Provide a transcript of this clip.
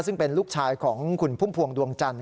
ซึ่งเป็นลูกชายของคุณพุ่มพวงดวงจันท